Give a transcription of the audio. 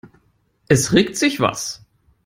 Es regt sich was.